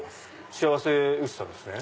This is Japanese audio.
幸せ牛さんですね。